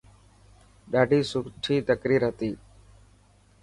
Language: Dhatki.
ڏاڌي سٺي تقرير هتي.